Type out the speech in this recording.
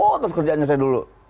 otos kerjaannya saya dulu